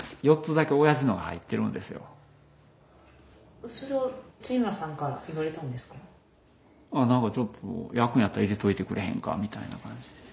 ああなんかちょっと焼くんやったら入れといてくれへんかみたいな感じで。